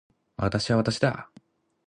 私は私だ。